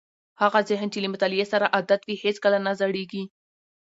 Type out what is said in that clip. هغه ذهن چې له مطالعې سره عادت وي هیڅکله نه زړېږي.